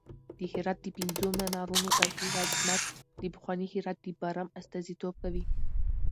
د هرات د پنځو منارونو تاریخي عظمت د پخواني هرات د برم استازیتوب کوي.